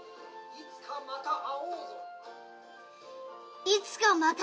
いつかまた会おうぞ！